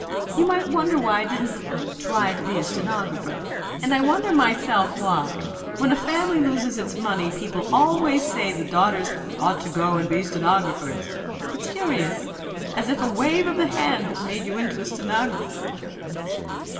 You might wonder why I didn't 'try to be a stenographer' and I wonder myself why, when a family loses its money, people always say the daughters 'ought to go and be stenographers.' It's curious! as if a wave of the hand made you into a stenographer.